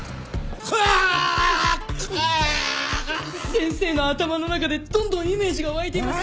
先生の頭の中でどんどんイメージが湧いています。